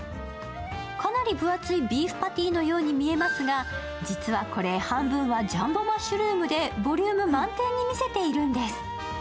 かなり分厚いビーフパティのように見えますが実はこれ、半分はジャンボマッシュルームでボリューム満点に見せているんです。